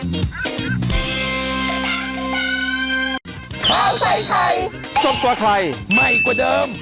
กูก็ไข่รัสไปรึไม่หมายความเดิม